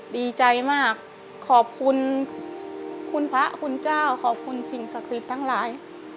ดีใจมากขอบคุณคุณพระคุณเจ้าขอบคุณสิ่งศักดิ์สิทธิ์ทั้งหลาย